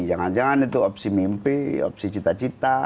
jangan jangan itu opsi mimpi opsi cita cita